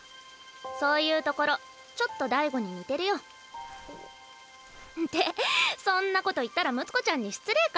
そういうところちょっと大吾に似てるよ。ってそんなこと言ったら睦子ちゃんに失礼か。